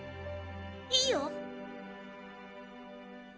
いいよ。